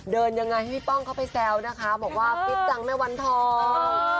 เดินยังไงให้พี่ป้องเข้าไปแซวนะคะบอกว่าฟิตจังแม่วันทอง